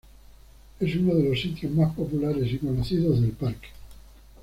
Es uno de los sitios más populares y conocidos del parque.